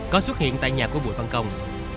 có xuất hiện tại nhà của bùi văn công